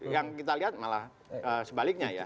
yang kita lihat malah sebaliknya ya